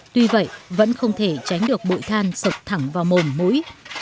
tuy vậy vẫn không thể tránh được bụi than sập thẳng vào mồm mũi